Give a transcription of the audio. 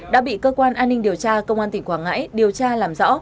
đã bị cơ quan an ninh điều tra công an tỉnh quảng ngãi điều tra làm rõ